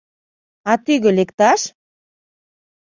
А тӱгӧ лекташ?..